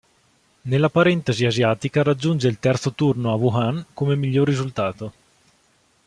Nella parentesi asiatica raggiunge il terzo turno a Wuhan come miglior risultato.